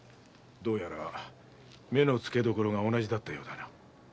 どうやら目のつけどころが同じだったようだな。